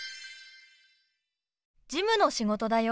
事務の仕事だよ。